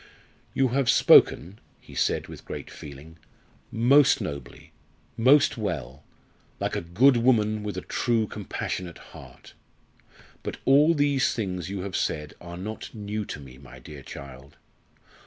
"You have spoken," he said with great feeling, "most nobly most well like a good woman, with a true compassionate heart. But all these things you have said are not new to me, my dear child.